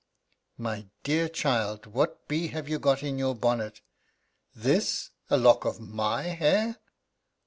"My dear child, what bee have you got in your bonnet? This a lock of my hair!